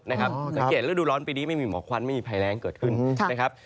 สังเกตฤดูร้อนปีนี้ไม่มีหมอกควันไม่มีภัยแรงเกิดขึ้นนะครับ